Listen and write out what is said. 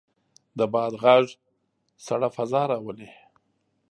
د باد غږ سړه فضا راولي.